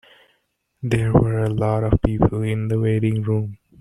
There were a lot of people in the waiting room.